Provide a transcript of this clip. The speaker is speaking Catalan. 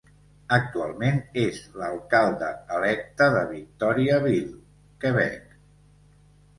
Actualment és l'alcalde electe de Victoriaville (Quebec).